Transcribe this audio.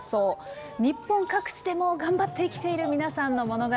日本各地でも頑張って生きている皆さんの物語。